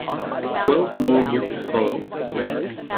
Twelve more books followed.